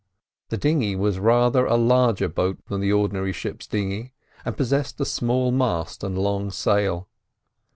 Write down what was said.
The dinghy was rather a larger boat than the ordinary ships' dinghy, and possessed a small mast and long sail.